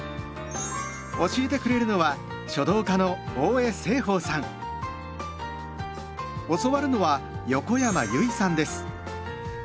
教えてくれるのは教わるのは横山由依さんです。